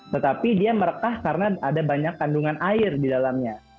tetapi dia merekah karena ada banyak kandungan air di dalamnya